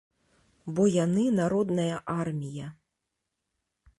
Бо яны народная армія.